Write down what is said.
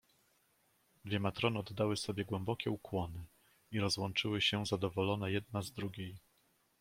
"Dwie matrony oddały sobie głębokie ukłony i rozłączyły się zadowolone jedna z drugiej."